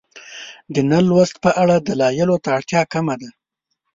د نه لوست په اړه دلایلو ته اړتیا کمه ده.